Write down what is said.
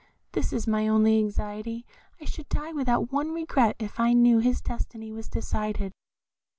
This is my only anxiety. I should die without one regret if I knew that his destiny was decided."